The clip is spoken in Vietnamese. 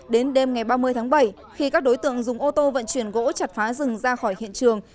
đến đêm ngày ba mươi tháng bảy khi các đối tượng dùng ô tô vận chuyển gỗ chặt phá rừng ra khỏi hiện trường